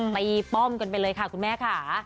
ป้อมกันไปเลยค่ะคุณแม่ค่ะ